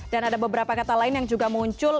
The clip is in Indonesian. dan ada beberapa kata lain yang juga muncul